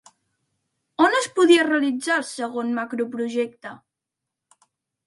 On es podia realitzar el segon macroprojecte?